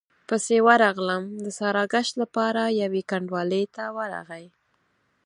پسې ورغلم، د ساراګشت له پاره يوې کنډوالې ته ورغی،